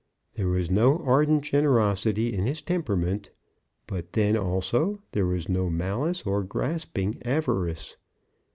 There was no ardent generosity in his temperament; but then, also, there was no malice or grasping avarice.